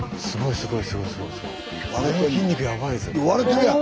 すごい！